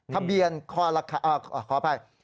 ทะเบียนขออภัย